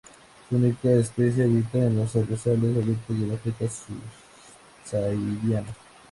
Su única especie habita en los herbazales abiertos del África subsahariana.